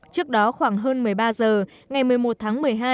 trước đó khoảng hơn một mươi ba h ngày một mươi một tháng một mươi hai